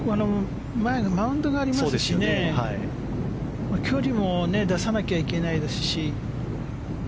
前にマウンドがありますしね距離も出さなきゃいけないですし。